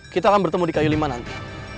kita akan bertemu di kayu lima nanti